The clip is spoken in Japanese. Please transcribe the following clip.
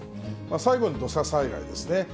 最後に土砂災害ですね。